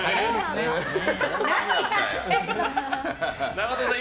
長友さん